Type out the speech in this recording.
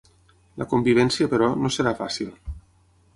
La convivència, però, no serà fàcil.